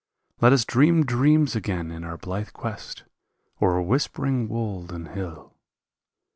Let us dream dreams again in our blithe quest O'er whispering wold and hill.